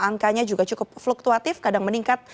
angkanya juga cukup fluktuatif kadang meningkat